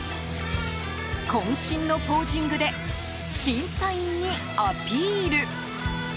渾身のポージングで審査員にアピール。